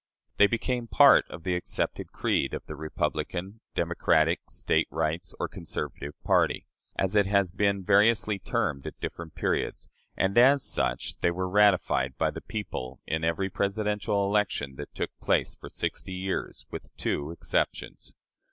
They became part of the accepted creed of the Republican, Democratic, State Rights, or Conservative party, as it has been variously termed at different periods, and as such they were ratified by the people in every Presidential election that took place for sixty years, with two exceptions.